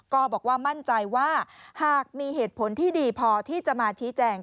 ก็บอกว่ามั่นใจว่าหากมีเหตุผลที่ดีพอที่จะมาชี้แจง